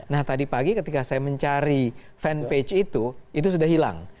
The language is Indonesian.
nah tadi pagi ketika saya mencari fanpage itu itu sudah hilang